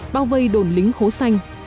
bao vây đồn lính khố xanh